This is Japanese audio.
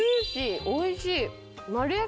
おいしい。